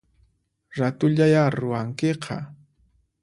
Ratullaya ruwankiqa